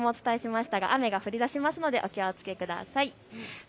先ほどもお伝えしましたが雨が降りだしますのでお気をつけください。